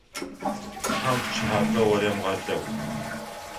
Тхьам пкӏыхьапӏэу уерэмыгъэлъэгъу.